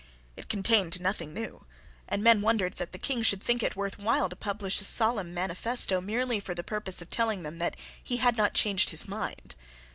It contained nothing new; and men wondered that the King should think it worth while to publish a solemn manifesto merely for the purpose of telling them that he had not changed his mind.